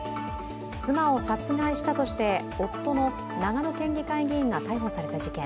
妻を殺害したとして夫の長野県議会議員が逮捕された事件。